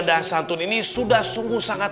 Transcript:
dasantun ini sudah sungguh sangat